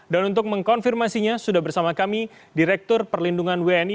dan untuk mengkonfirmasinya sudah bersama kami direktur perlindungan wni